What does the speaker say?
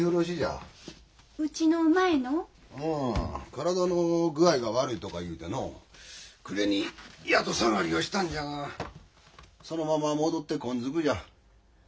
体の具合が悪いとか言うての暮れに宿下がりをしたんじゃがそのまま戻ってこんずくじゃ。